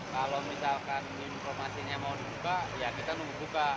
kalau misalkan informasinya mau dibuka ya kita nunggu buka